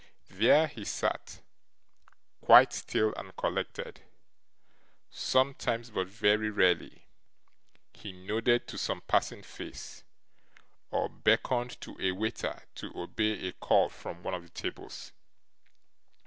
There he sat, quite still and collected. Sometimes, but very rarely, he nodded to some passing face, or beckoned to a waiter to obey a call from one of the tables.